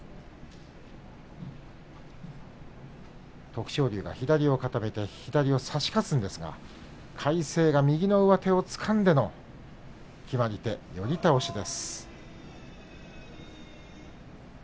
徳勝龍の左を固めて左を差し勝つんですが魁聖が右の上手をつかんでの決まり手、寄り倒しです。